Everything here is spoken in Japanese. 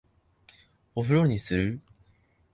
お風呂にする？